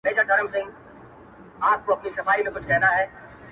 • او د بل عیب همېشه د کلي منځ دی» -